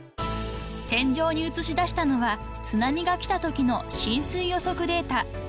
［天井に映し出したのは津波が来たときの浸水予測データ］